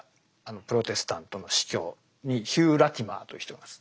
プロテスタントの主教にヒュー・ラティマーという人がいます。